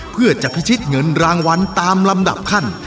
เพื่อจะพิชิตเงินรางวัลตามลำดับขั้น